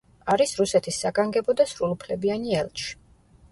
არის რუსეთის საგანგებო და სრულუფლებიანი ელჩი.